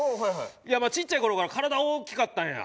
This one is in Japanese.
ちっちゃい頃から体大きかったんや。